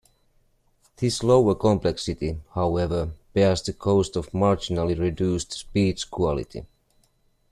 This lower complexity, however, bears the cost of marginally reduced speech quality.